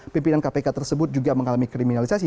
pimpinan kpk tersebut juga mengalami kriminalisasi